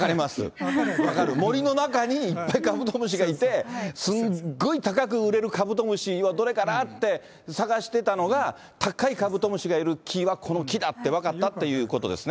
森の中にいっぱいカブトムシがいて、すっごい高く売れるカブトムシはどれかなって、探してたのが、高いカブトムシがいる木は、この木だって分かったっていうことですね？